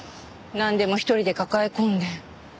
なんでも一人で抱え込んで。